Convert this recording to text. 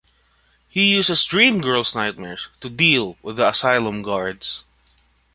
He uses Dream Girl's nightmares to deal with the asylum guards.